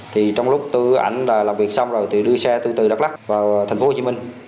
thì trong lúc tôi với anh làm việc xong rồi tôi đưa xe từ đắk lắc vào tp hcm